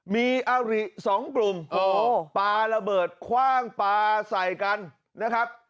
มีอาริสองกลุ่มปลาระเบิดคว่างปลาใส่กันนะครับ